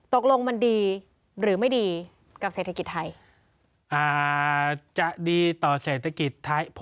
ตกลงมันดีหรือไม่ดีกับเศรษฐกิจไทย